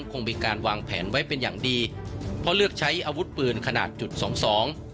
คงมีการวางแผนไว้เป็นอย่างดีเพราะเลือกใช้อาวุธปืนขนาดจุดสองสอง